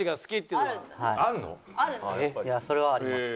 いやそれはあります。